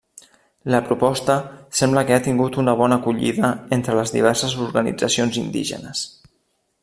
La proposta sembla que ha tingut una bona acollida entre les diverses organitzacions indígenes.